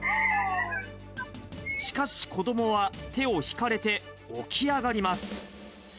しかし、子どもは手を引かれて起き上がります。